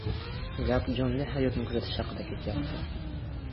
Gap jonli hayotni kuzatish haqida ketyapti.